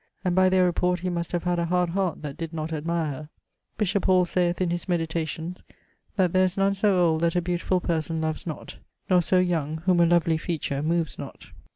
And by their report he must have had a hard heart that did not admire her. Bishop Hall sayeth in his Meditations that 'there is none so old that a beautifull person loves not; nor so young whom a lovely feature moves not.'